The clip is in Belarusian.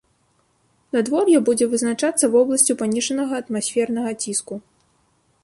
Надвор'е будзе вызначацца вобласцю паніжанага атмасфернага ціску.